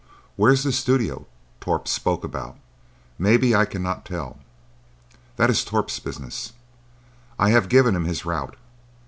Where this studio Torp spoke about may be I cannot tell. That is Torp's business. I have given him his route.